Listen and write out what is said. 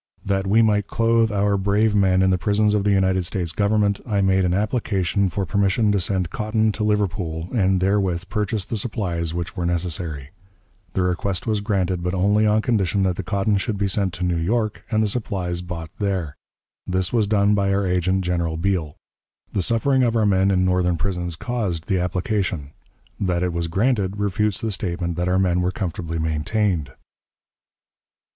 That we might clothe our brave men in the prisons of the United States Government, I made an application for permission to send cotton to Liverpool, and therewith purchase the supplies which were necessary. The request was granted, but only on condition that the cotton should be sent to New York and the supplies bought there. This was done by our agent, General Beale. The suffering of our men in Northern prisons caused the application; that it was granted, refutes the statement that our men were comfortably maintained.